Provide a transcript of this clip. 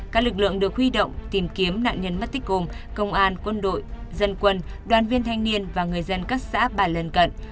các lực lượng được huy động tìm kiếm nạn nhân mất tích gồm công an quân đội dân quân đoàn viên thanh niên và người dân các xã bà lần cận